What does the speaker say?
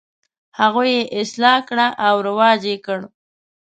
هغوی یې اصلاح کړه او رواج یې کړ.